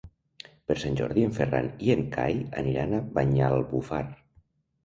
Per Sant Jordi en Ferran i en Cai aniran a Banyalbufar.